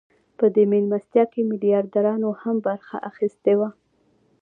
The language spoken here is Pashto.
په دې مېلمستیا کې میلیاردرانو هم برخه اخیستې وه